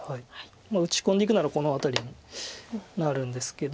打ち込んでいくならこの辺りになるんですけど。